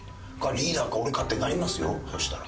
リーダーか俺かってなりますよそしたら。